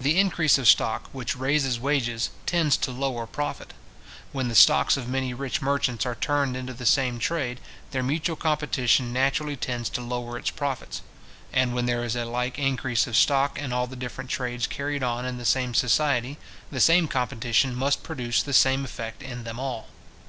The increase of stock, which raises wages, tends to lower profit. When the stocks of many rich merchants are turned into the same trade, their mutual competition naturally tends to lower its profit; and when there is a like increase of stock in all the different trades carried on in the same society, the same competition must produce the same effect in them all.